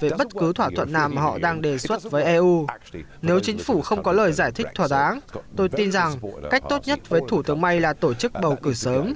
về bất cứ thỏa thuận nào mà họ đang đề xuất với eu nếu chính phủ không có lời giải thích thỏa đáng tôi tin rằng cách tốt nhất với thủ tướng may là tổ chức bầu cử sớm